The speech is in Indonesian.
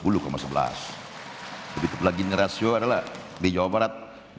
lebih tepat lagi ini rasio adalah di jawa barat tiga ratus sembilan puluh tiga